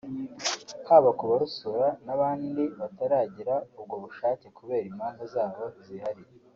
haba ku barusura n’abandi bataragira ubwo bushake kubera impamvu zabo zihariye